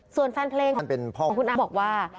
ส่วนแฟนเพลงของคุณอ้ำบอกว่า